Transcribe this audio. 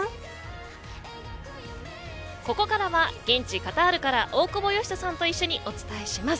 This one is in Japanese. ここからは、現地カタールから大久保嘉人さんと一緒にお伝えします。